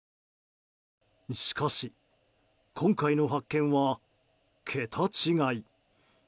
しかし今回の発見は、桁違い。